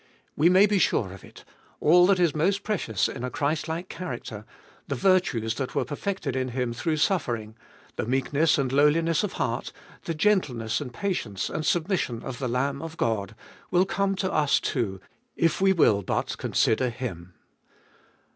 We may be sure of it, all that is most precious in a Christlike character — the virtues that were perfected in Him through suffering, the meekness and lowliness of heart, the gentleness and patience and submission of the Lamb of God, will come to us too if we will but consider Him.